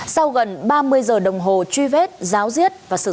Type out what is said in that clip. sau gần ba mươi giờ đồng hồ truy vết giáo diết và xác định